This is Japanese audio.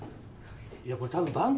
いやこれ多分。